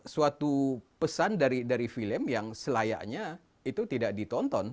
suatu pesan dari film yang selayaknya itu tidak ditonton